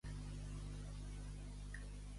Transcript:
Metge, cura't a tu mateix.